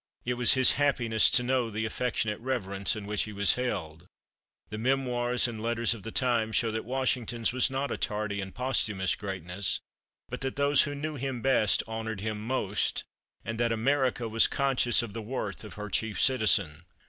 It was his happiness to know the affectionate reverence in which he was held. The memoirs and letters of the time show that Washington's was not a tardy and posthumous greatness, but that those who knew him best honored him most, and that America was conscious of the worth of her chief citizen.